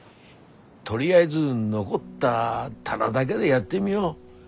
とりあえず残った棚だげでやってみよう。